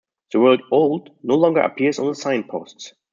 The word "Old" no longer appears on the signposts.